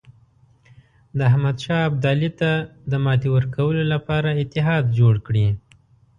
د احمدشاه ابدالي ته د ماتې ورکولو لپاره اتحاد جوړ کړي.